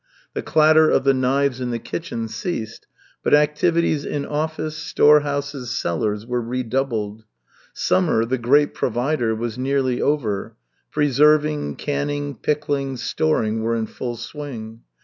The clatter of the knives in the kitchen ceased, but activities in office, storehouses, cellars, were redoubled. Summer, the great provider, was nearly over; preserving, canning, pickling, storing were in full swing.